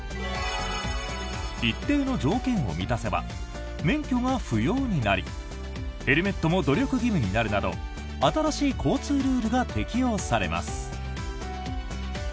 一定の条件を満たせば免許が不要になりヘルメットも努力義務になるなど新しい交通ルールが適用されます。